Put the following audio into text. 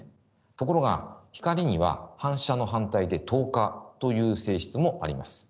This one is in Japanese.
ところが光には反射の反対で透過という性質もあります。